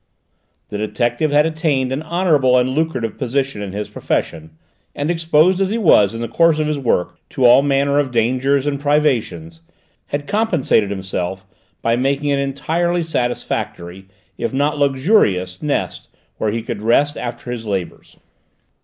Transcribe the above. The detective had attained an honourable and lucrative position in his profession, and, exposed as he was in the course of his work to all manner of dangers and privations, had compensated himself by making an entirely satisfactory, if not luxurious, nest where he could rest after his labours.